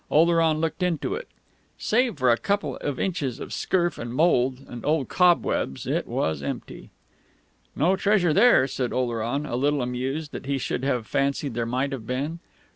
Oleron looked into it. Save for a couple of inches of scurf and mould and old cobwebs it was empty. "No treasure there," said Oleron, a little amused that he should have fancied there might have been.